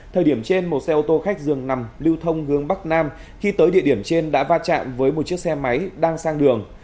thời điểm trên một xe ô tô khách dường nằm lưu thông hướng bắc nam khi tới địa điểm trên đã va chạm với một chiếc xe máy đang sang đường